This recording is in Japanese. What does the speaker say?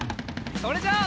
それじゃあ。